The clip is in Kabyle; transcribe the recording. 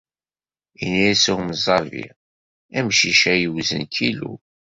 Inna-as umẓabi: Amcic-a yewzen kilu.